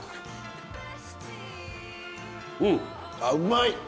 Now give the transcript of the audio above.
あうまい！